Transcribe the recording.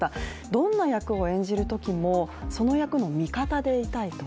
どんな役を演じるときもその役の味方でいたいと。